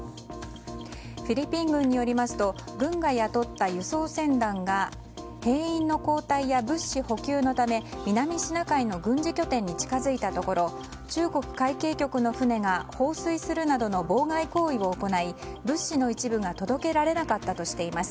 フィリピン軍によりますと軍が雇った輸送船団が兵員の交代や物資補給のため南シナ海の軍事拠点に近づいたところ中国海警局の船が放水するなどの妨害行為を行い物資の一部が届けられなかったとしています。